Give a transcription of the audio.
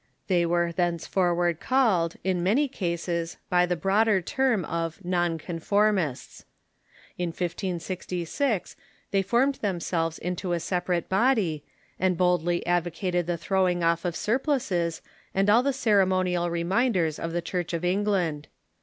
* They were thenceforward called, in many cases, by the broad er term of Non conformists. In 1566 they formed themselves into a separate body, and boldly advocated the Puritans as throwinsc off of surplices and all the ceremonial Non conformists » i reminders of the Church of England.